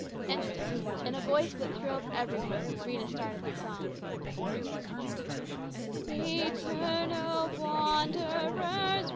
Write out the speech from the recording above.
Instantly, in a voice that thrilled every one, Rhena started the song :" Return, O wanderers !